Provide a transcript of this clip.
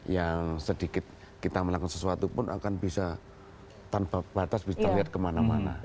yang sedikit kita melakukan sesuatu pun akan bisa tanpa batas bisa terlihat kemana mana